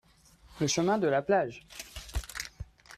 Le chemin de la plage.